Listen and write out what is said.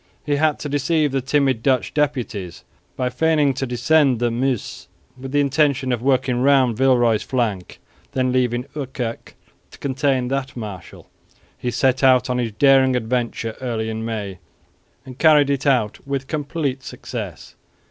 He had to deceive the timid Dutch deputies by feigning to descend the Meuse with the intention of working round Villeroy's flank; then, leaving Ouwerkerk to contain that marshal, he set out on his daring adventure early in May and carried it out with complete success.